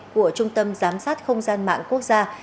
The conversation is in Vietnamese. của trung tâm giám sát không gian mạng quốc gia